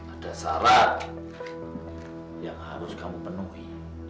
ada syarat yang harus kamu penuhi